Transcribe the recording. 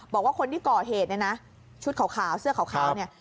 บอกว่าคนที่ก่อเหตุเนี่ยนะชุดขาวเสื้อขาวเนี่ย